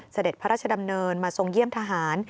เสด็จพระราชดำเนินมาทรงเยี่ยมทหาร